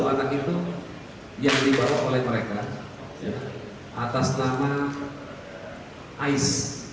sepuluh anak itu yang dibawa oleh mereka atas nama ais